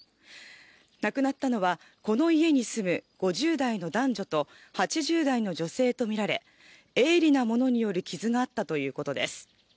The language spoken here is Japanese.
亡くなったのは、この家に住む５０代の男女と８０代の女性とみられ、鋭利な物による傷があったということです。